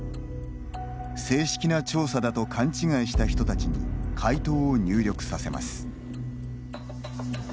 正式な調査だと勘違いした人たちに回答を入力させます。